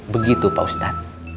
begitu pak ustadz